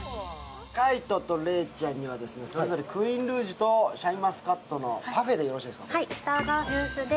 海音と礼ちゃんにはそれぞれクイーンルージュとシャインマスカットのパフェでいいですか？